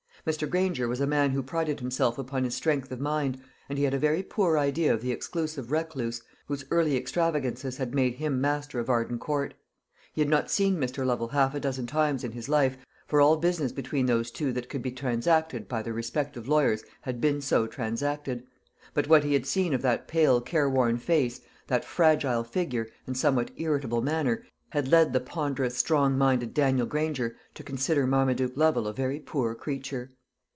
Mr. Granger was a man who prided himself upon his strength of mind, and he had a very poor idea of the exclusive recluse whose early extravagances had made him master of Arden Court. He had not seen Mr. Lovel half a dozen times in his life, for all business between those two that could be transacted by their respective lawyers had been so transacted; but what he had seen of that pale careworn face, that fragile figure, and somewhat irritable manner, had led the ponderous, strong minded Daniel Granger to consider Marmaduke Lovel a very poor creature.